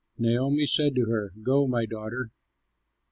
Naomi said to her, "Go, my daughter."